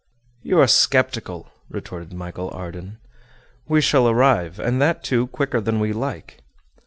"You are sceptical," retorted Michel Ardan. "We shall arrive, and that, too, quicker than we like."